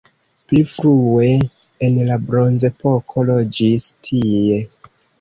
Pli frue en la bronzepoko loĝis tie.